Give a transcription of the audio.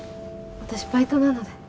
私バイトなので。